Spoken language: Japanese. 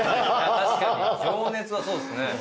確かに情熱はそうですね。